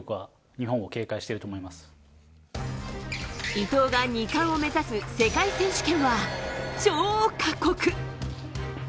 伊藤が２冠を目指す世界選手権は超過酷。